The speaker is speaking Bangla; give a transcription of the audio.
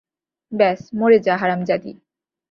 ব্যস মরে যা, হারামজাদী!